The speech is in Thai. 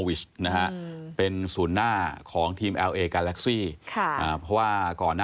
ว่านักที่เหิ้นมีความ